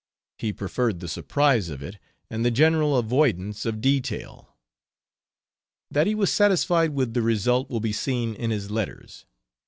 He preferred the surprise of it, and the general avoidance of detail. That he was satisfied with the result will be seen in his letters.